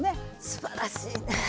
すばらしいね。